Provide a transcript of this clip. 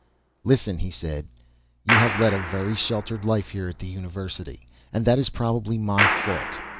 "Listen," he said. "You have led a very sheltered life here at the university, and that is probably my fault.